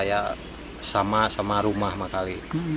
ya sama sama rumah makanya